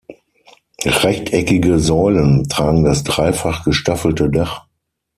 Rechteckige Säulen tragen das dreifach gestaffelte Dach.